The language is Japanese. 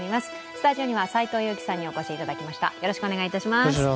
スタジオには斎藤祐樹さんにお越しいただきました。